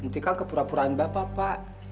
muntikal kepura puraan bapak pak